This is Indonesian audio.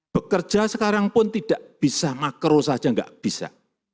bekerja sekarang pun tidak bisa makro saja tidak bisa